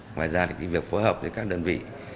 ngoài ra thì việc phối hợp với các đơn vị